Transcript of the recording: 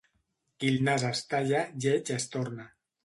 Qui el nas es talla lleig es torna.